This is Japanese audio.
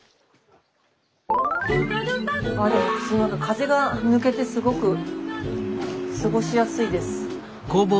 ああでも風が抜けてすごく過ごしやすいです。